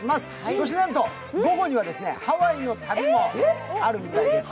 そしてなんと午後にはハワイの旅もあるみたいです。